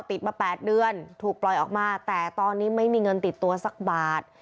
ติดมา๘เดือนถูกปล่อยออกมาแต่ตอนนี้ไม่มีเงินติดตัวสักบาท